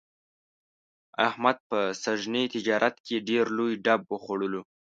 احمد په سږني تجارت کې ډېر لوی ډب وخوړلو.